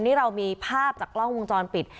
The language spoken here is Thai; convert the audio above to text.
นี่เรามีภาพจากกล้องวงจรปิด